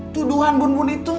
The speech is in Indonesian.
tuduhan bun bun itu gak bener